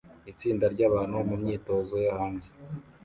Itsinda ryabantu mu myitozo yo hanze